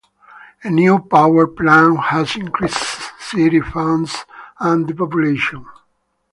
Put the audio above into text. A new power plant has increased city funds and the population.